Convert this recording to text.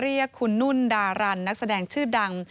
เรียกคุณนุ่นดารันนักแสดงชื่อดัง